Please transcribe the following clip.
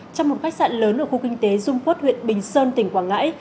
trong một khách sạn lớn ở khu kinh tế dung quốc huyện bình sơn tỉnh quảng ngãi